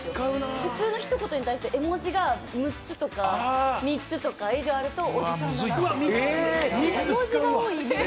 普通のひと言に対して絵文字が６つとか、３つ以上あるとおじさんで、絵文字が多いイメージ。